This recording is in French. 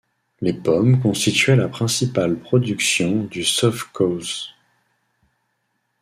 Les pommes constituaient la principale production du sovkhoze.